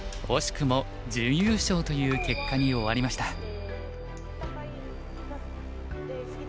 惜しくも準優勝という結果に終わりました。